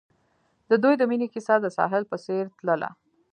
د دوی د مینې کیسه د ساحل په څېر تلله.